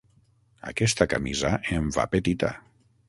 Aquesta camisa em va petita.